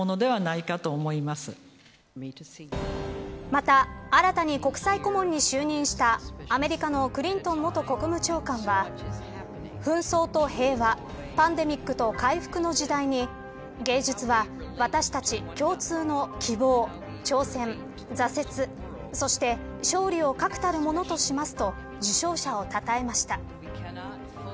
また新たに国際顧問に就任したアメリカのクリントン元国務長官は紛争と平和パンデミックと回復の時代に芸術は私たち共通の希望挑戦、挫折そして勝利を確たるものとしますと受賞者をたたえました。